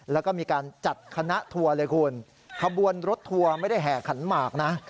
แล้วก็มีการจัดคณะทัวร์เลยคุณขบวนรถทัวร์ไม่ได้แห่ขันหมากนะ